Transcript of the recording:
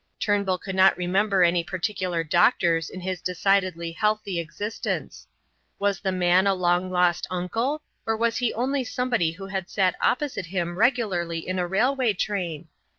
Turnbull could not remember any particular doctors in his decidedly healthy existence. Was the man a long lost uncle, or was he only somebody who had sat opposite him regularly in a railway train?